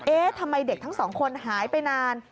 เอ๊ะทำไมเด็กทั้ง๒คนหายไปนาน